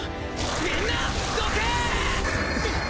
みんなどけ！